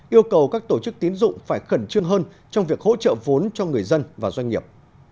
yêu cầu các tổ chức tiến dụng phải khẩn trương hơn trong việc hỗ trợ vốn cho người dân và doanh nghiệp